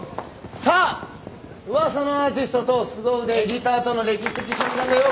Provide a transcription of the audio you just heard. さあ噂のアーティストとすご腕エディターとの歴史的瞬間だよ。